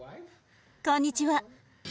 こんにちは。